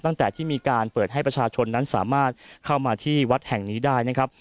ตั้งแต่ที่มีการเปิดให้ประชาชนนั้นสามารถเข้ามาที่วัดแห่งนี้ได้นะครับ